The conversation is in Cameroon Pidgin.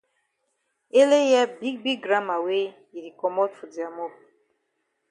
Ele hear big big gramma wey e di komot for dia mop.